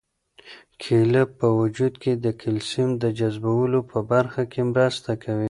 کیله په وجود کې د کلسیم د جذبولو په برخه کې مرسته کوي.